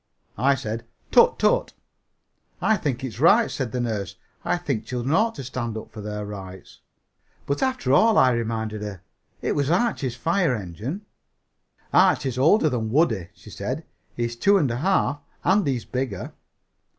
I said "Tut, tut." "I think it's right," said the nurse. "I think children ought to stand up for their rights." "But, after all," I reminded her, "it was Archie's fire engine." "Archie's older than Woodie," she said; "he's two and a half and he's bigger."